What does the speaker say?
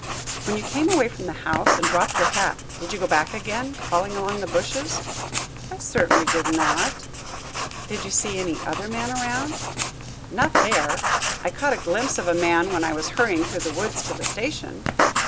"When you came away from the house and dropped your hat, did you go back again, crawling along by the bushes?" "I certainly did not." "Did you see any other man around?" "Not there. I caught a glimpse of a man when I was hurrying through the woods to the station."